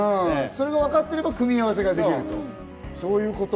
それが分かってれば組み合わせができると。